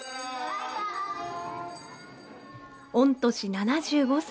御年７５歳。